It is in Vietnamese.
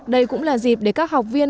đây cũng là dịp để các học viên